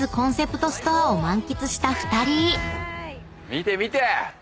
見て見て！